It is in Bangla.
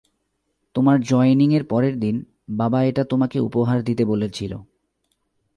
তোমার জয়েনিং এর পরের দিন, বাবা এটা তোমাকে উপহার দিতে বলেছিল।